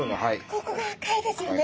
ここが赤いですよね。